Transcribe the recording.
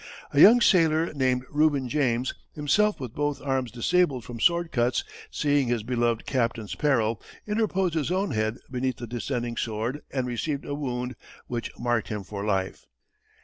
A young sailor named Reuben James, himself with both arms disabled from sword cuts, seeing his beloved captain's peril, interposed his own head beneath the descending sword and received a wound which marked him for life.